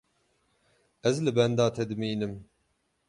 Ez li benda te dimînim.